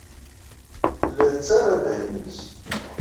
Tella tettarra ddehn-nnes.